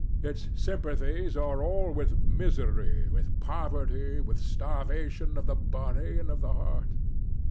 Its sympathies are all with misery, with poverty, with starvation of the body and of the heart.